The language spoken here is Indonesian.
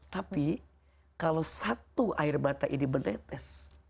tapi kalau satu air mata ini menetes